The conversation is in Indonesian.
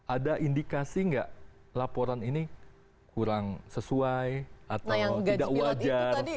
ada indikasi nggak laporan ini kurang sesuai atau tidak wajar